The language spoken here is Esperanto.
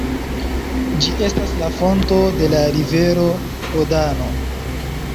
Ĝi estas la fonto de la rivero Rodano.